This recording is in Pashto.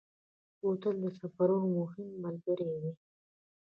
بوتل د سفرونو مهم ملګری وي.